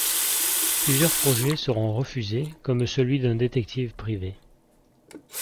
Plusieurs projets seront refusés comme celui d'un détective privé.